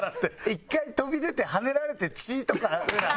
１回飛び出てはねられて血とかさ。